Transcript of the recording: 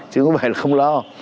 chứ không phải là không lo